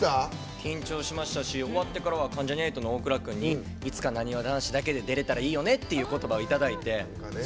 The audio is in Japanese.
緊張しましたし終わってからは関ジャニ∞の大倉君にいつか、なにわ男子だけで出れたらいいよねって言っていただいて。